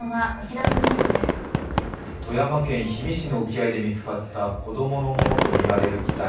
富山県氷見市の沖合で見つかった子供のものとみられる遺体。